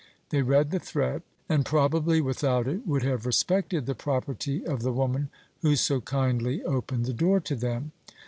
They read the threat, and probably without it would have respected the property of the woman who so kindly opened the door to them.